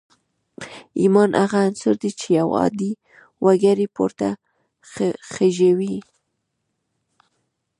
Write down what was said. ایمان هغه عنصر دی چې یو عادي وګړی پورته خېژوي